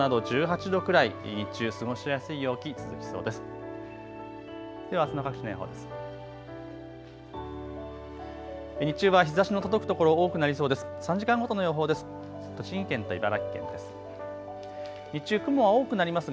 １７度、１８度くらい、日中、過ごしやすい陽気続きそうです。